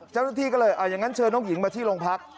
เจ้าหน้าที่ก็เลยอย่างนั้นเชิญน้องหญิงมาที่โรงพัก